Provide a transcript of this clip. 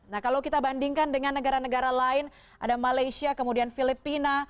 nah kalau kita bandingkan dengan negara negara lain ada malaysia kemudian filipina